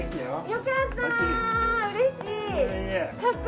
良かった！